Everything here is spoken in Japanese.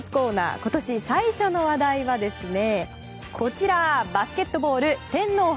今年最初の話題はバスケットボール、天皇杯。